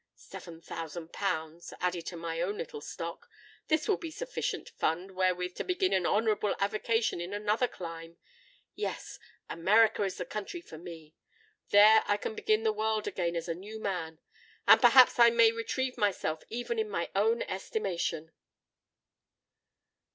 Seven thousand pounds—added to my own little stock,—this will be a sufficient fund wherewith to begin an honourable avocation in another clime. Yes—America is the country for me! There I can begin the world again as a new man—and perhaps I may retrieve myself even in my own estimation!"